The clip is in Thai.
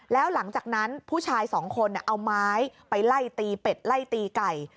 แล้วหลังจากนั้นผู้ชายสองคนเอาไม้ไปไล่ตีเป็ดไล่ตีไก่